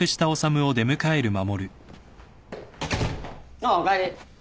あっおかえり。